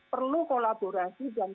perlu kolaborasi dan